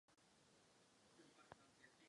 Naopak cílem bílého hráče je dát mat černému králi.